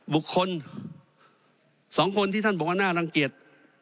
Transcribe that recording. บุคคล๒คนที่ท่านบอกว่าน่ารังเกียจ